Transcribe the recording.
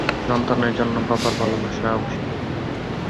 সন্তানের জন্য বাবার ভালোবাসা অসীম।